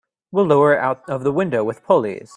We'll lower it out of the window with pulleys.